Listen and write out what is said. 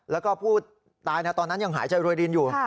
แล้วก็ผู้ตายตอนนั้นยังหายใจรวยรินอยู่